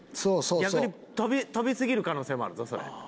逆に飛びすぎる可能性もあるぞそれ。